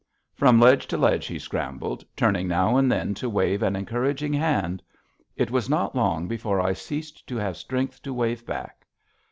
From ledge to ledge he scrambled, turning now and then to wave an encouraging hand. It was not long before I ceased to have strength to wave back.